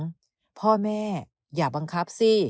พ่อแม่อย่าบังคับสิ